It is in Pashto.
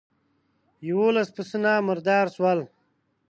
يوولس پسونه مردار شول.